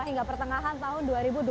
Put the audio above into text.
hingga pertengahan tahun dua ribu dua puluh